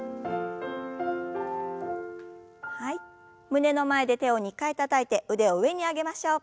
胸の前で手を２回たたいて腕を上に上げましょう。